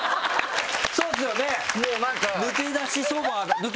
そうですよね！